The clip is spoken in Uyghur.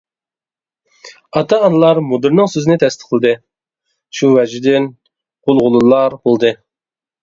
ئاتا-ئانىلار مۇدىرنىڭ سۆزىنى تەستىقلىدى، شۇ ۋەجىدىن غۇلغۇلىلار بولدى.